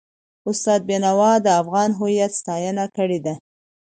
استاد بینوا د افغان هویت ستاینه کړې ده.